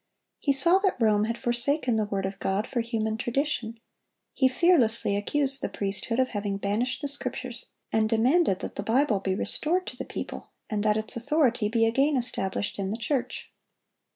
He saw that Rome had forsaken the word of God for human tradition; he fearlessly accused the priesthood of having banished the Scriptures, and demanded that the Bible be restored to the people, and that its authority be again established in the church.